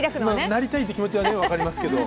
なりたいという気持ちは分かりますけど。